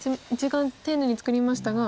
１眼丁寧に作りましたが